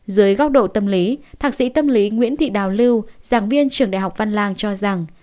dưới góc độ tâm lý thạc sĩ tâm lý nguyễn thị đào lưu giảng viên trường đại học văn lang cho rằng